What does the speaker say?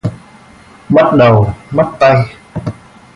mất đầu, mất tay